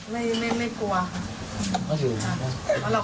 แล้วตอนนี้ศาลให้ประกันตัวออกมาแล้ว